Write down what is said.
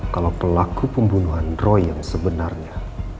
kalau pelaku pembunuhan roy yang sebenarnya